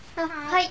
はい。